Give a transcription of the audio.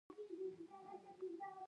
دوي ټول عمر وادۀ نۀ وو کړے